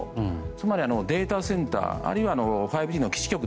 つまりデータセンターあるいは５Ｇの基地局